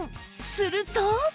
すると